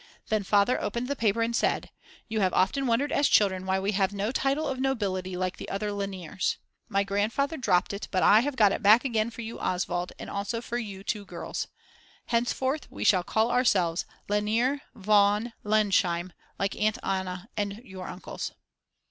Then Father opened the paper and said: "You have often wondered as children why we have no title of nobility like the other Lainers. My grandfather dropped it, but I have got it back again for you Oswald, and also for you two girls. Henceforward we shall call ourselves Lanier von Lainsheim like Aunt Anna and your uncles."